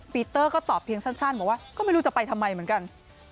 ปีเตอร์ก็ตอบเพียงสั้นบอกว่าก็ไม่รู้จะไปทำไมเหมือนกัน